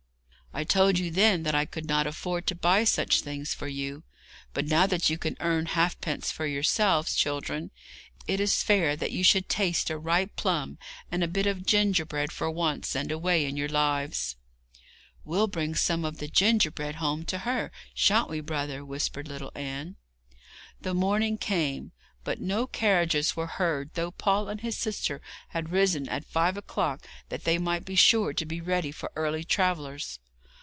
I told you then that I could not afford to buy such things for you, but now that you can earn halfpence for yourselves, children, it is fair you should taste a ripe plum and bit of gingerbread for once and a way in your lives.' 'We'll bring some of the gingerbread home to her, shan't we, brother?' whispered little Anne. The morning came, but no carriages were heard though Paul and his sister had risen at five o'clock that they might be sure to be ready for early travellers.